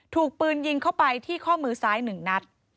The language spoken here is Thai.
ถูกปืนยิงเข้าไปที่ข้อมือซ้าย๑นัด